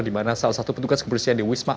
di mana salah satu petugas kebersihan di wisma